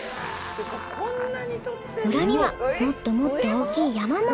裏にはもっともっと大きい山も。